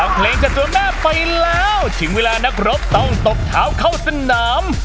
เพลงจากตัวแม่ไปแล้วถึงเวลานักรบต้องตบเท้าเข้าสนาม